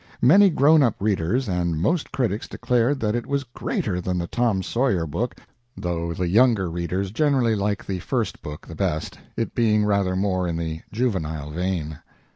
Many grown up readers and most critics declared that it was greater than the "Tom Sawyer" book, though the younger readers generally like the first book the best, it being rather more in the juvenile vein.